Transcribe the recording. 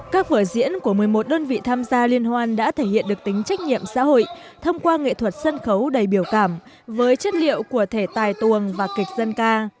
các vở diễn của một mươi một đơn vị tham gia liên hoan đã thể hiện được tính trách nhiệm xã hội thông qua nghệ thuật sân khấu đầy biểu cảm với chất liệu của thể tài tuồng và kịch dân ca